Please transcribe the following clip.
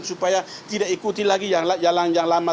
supaya tidak ikuti lagi yang jalan jalan lama